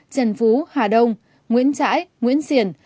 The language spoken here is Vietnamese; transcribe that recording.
trần phú hà đông nguyễn trãi nguyễn xiển